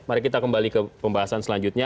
mari kita kembali ke pembahasan selanjutnya